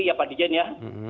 ya pak dirjen ya